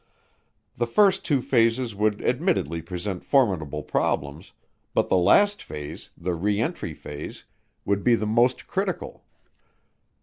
The first two phases would admittedly present formidable problems, but the last phase, the re entry phase, would be the most critical.